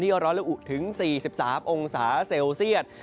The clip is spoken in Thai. ก็ร้อนละอุถึง๔๓องศาเซลเซียต